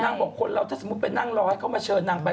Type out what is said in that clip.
บอกคนเราถ้าสมมุติไปนั่งรอให้เขามาเชิญนางไป